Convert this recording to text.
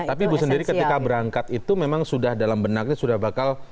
tapi ibu sendiri ketika berangkat itu memang sudah dalam benaknya sudah bakal